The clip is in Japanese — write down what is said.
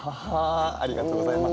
ありがとうございます。